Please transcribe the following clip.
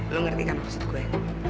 lu ngerti kan maksud gue